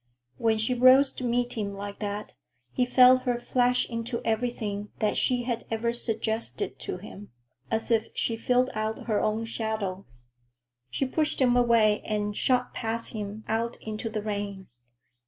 When she rose to meet him like that, he felt her flash into everything that she had ever suggested to him, as if she filled out her own shadow. She pushed him away and shot past him out into the rain.